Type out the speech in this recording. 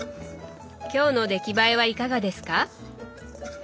今日の出来栄えはいかがですか？